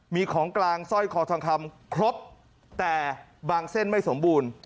มีของกลางสร้อยคอทองคำครบแต่บางเส้นไม่สมบูรณ์